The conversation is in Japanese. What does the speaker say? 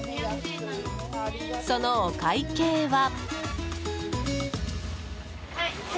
そのお会計は。